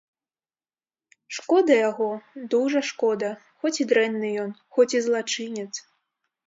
Шкода яго, дужа шкода, хоць і дрэнны ён, хоць і злачынец.